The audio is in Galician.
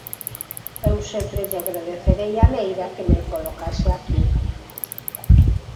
Eu sempre lle agradecerei a Neira que me colocase aquí.